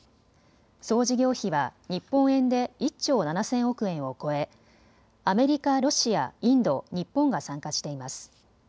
総事業費は日本円で１兆７０００億円を超え、アメリカ、ロシア、インド、日本が参加しています。